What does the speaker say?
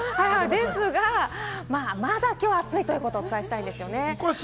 ですが、まだきょう暑いということをお伝えしたいんですよね。